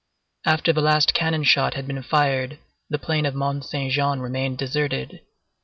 After the last cannon shot had been fired, the plain of Mont Saint Jean remained deserted.